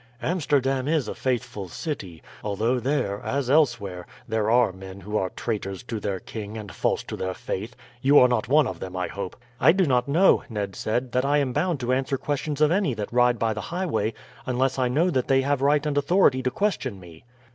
"Amsterdam is a faithful city; although there, as elsewhere, there are men who are traitors to their king and false to their faith. You are not one of them, I hope?" "I do not know," Ned said, "that I am bound to answer questions of any that ride by the highway, unless I know that they have right and authority to question me."